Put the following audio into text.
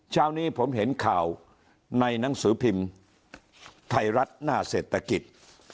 เช้านี้ผมเห็นข่าวในหนังสือพิมพ์ไทยรัฐหน้าเศรษฐกิจ